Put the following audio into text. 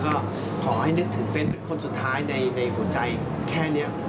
ก็ขอให้นึกถึงเฟ้นคนสุดท้ายในหัวใจแค่นี้